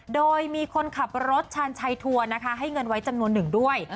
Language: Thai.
โดยมีคนขับรถชาญชัยทัวร์นะคะให้เงินไว้จำนวนหนึ่งด้วย